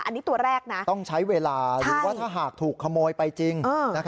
อันนี้ตัวแรกนะต้องใช้เวลาหรือว่าถ้าหากถูกขโมยไปจริง